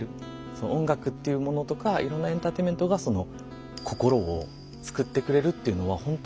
音楽っていうものとかいろんなエンターテインメントが心を救ってくれるっていうのはほんとにあるんだなっていう。